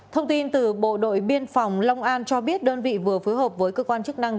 thông tin từ bộ đội biên phòng long an cho biết đơn vị vừa phối hợp với cơ quan chức năng